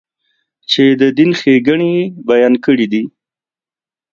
چې د دین ښېګڼې یې بیان کړې دي.